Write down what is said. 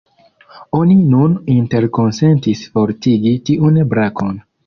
Oni nun interkonsentis fortigi tiun brakon.